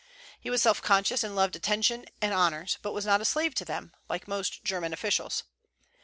He was self conscious, and loved attention and honors, but was not a slave to them, like most German officials.